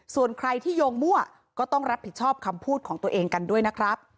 ส่วนใครที่โยงมั่วก็ต้องรับผิดชอบคำพูดของตัวเองกันด้วยนะครับ